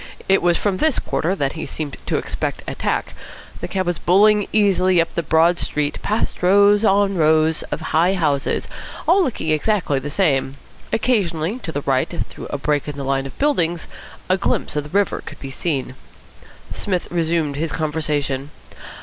It was from this quarter that he seemed to expect attack. The cab was bowling easily up the broad street, past rows on rows of high houses, all looking exactly the same. Occasionally, to the right, through a break in the line of buildings, a glimpse of the river could be seen. Psmith resumed the conversation.